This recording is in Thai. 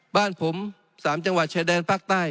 บ้านผม๓จังหวัดชายแดนภาคใต้